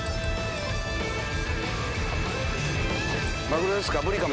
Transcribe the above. マグロですか？